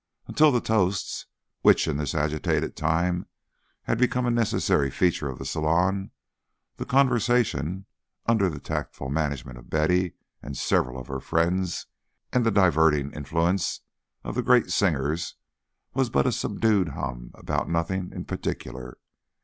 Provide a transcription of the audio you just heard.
Until the toasts which in this agitated time had become a necessary feature of the salon the conversation, under the tactful management of Betty and several of her friends, and the diverting influence of the great singers, was but a subdued hum about nothing in particular.